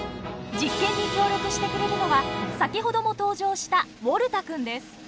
実験に協力してくれるのは先ほども登場したウォルタくんです。